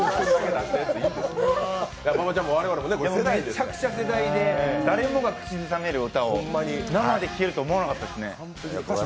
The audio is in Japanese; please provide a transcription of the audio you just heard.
めっちゃくちゃ世代で、誰もが口ずさめる歌を生で聴けると思わなかったですね。